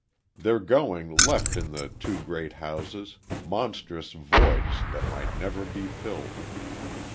Their going left in the two great houses, monstrous voids that might never be filled.